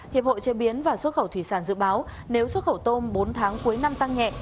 hiệp hội chế biến và xuất khẩu thủy sản dự báo nếu xuất khẩu tôm bốn tháng cuối năm tăng nhẹ